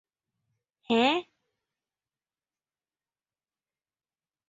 এর রাজধানী ছিল লিভরনো।